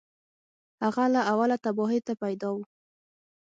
هغه له اوله تباهیو ته پیدا و